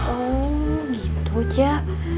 oh gitu cek